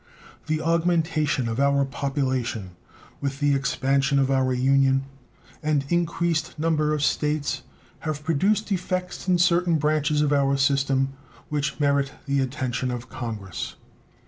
The augmentation of our population with the expansion of our Union and increased number of States have produced effects in certain branches of our system which merit the attention of Congress.